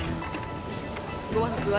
terima kasih alex